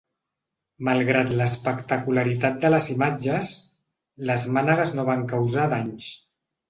Malgrat l’espectacularitat de les imatges, les mànegues no van causar danys.